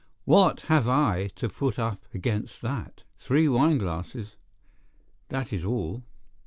What have I to put up against that? Three wine glasses, that is all.